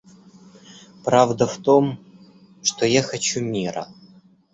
Правда в том, что я хочу мира.